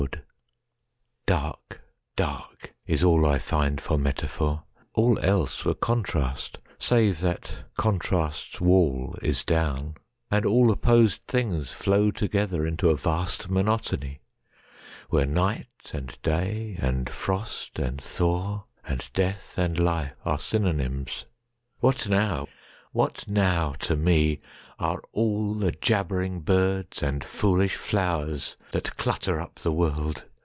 Dark, Dark, is all I find for metaphor; All else were contrast,—save that contrast's wallIs down, and all opposed things flow togetherInto a vast monotony, where nightAnd day, and frost and thaw, and death and life, Are synonyms. What now—what now to meAre all the jabbering birds and foolish flowersThat clutter up the world?